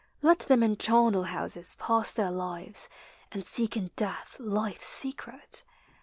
Let them in charnel houses pass their lives And seek in death life's secret!